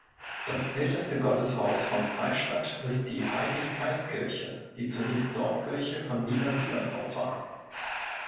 Das älteste Gotteshaus von Freystadt ist die Heilig-Geist-Kirche, die zunächst Dorfkirche von Nieder-Siegersdorf war.